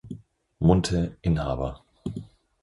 Munte Inh.